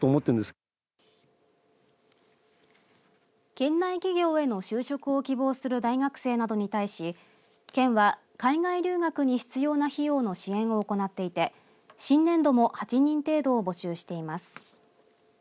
県内企業への就職を希望する大学生などに対し県は海外留学に必要な費用の支援を行っていて新年度も８人程度を募集しています。